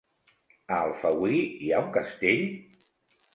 A Alfauir hi ha un castell?